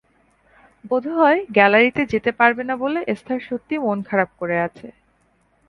বোধহয় গ্যালারিতে যেতে পারবে না বলে এস্থার সত্যিই মন খারাপ করে আছে।